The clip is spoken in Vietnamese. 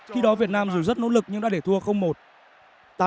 khi đó việt nam dù rất nỗ lực nhưng đã để thua không một